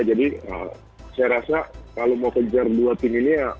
jadi saya rasa kalau mau kejar dua tim ini